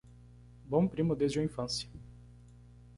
Bom primo desde a infância